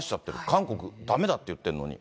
韓国、だめだっていってるのに。